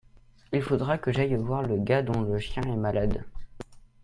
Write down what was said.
Il faudra que j'aille voir le gars dont le chien est malade.